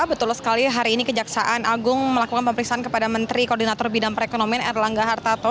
betul sekali hari ini kejaksaan agung melakukan pemeriksaan kepada menteri koordinator bidang perekonomian erlangga hartarto